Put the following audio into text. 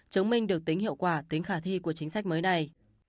chứng minh được tính hiệu quả tính khả thi của chính sách mới này